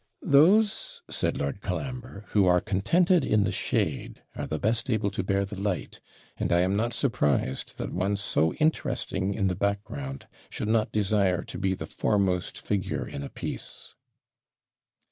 'Those,' said Lord Colambre, 'who are contented in the shade are the best able to bear the light; and I am not surprised that one so interesting in the background should not desire to be the foremost figure in a piece.'